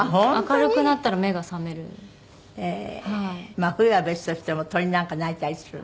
まあ冬は別としても鳥なんか鳴いたりするの？